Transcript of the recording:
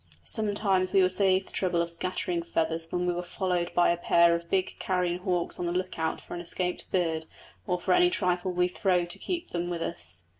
Sometimes we were saved the trouble of scattering feathers when we were followed by a pair of big carrion hawks on the look out for an escaped bird or for any trifle we throw to them to keep them with us.